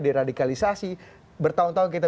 diradikalisasi bertahun tahun kita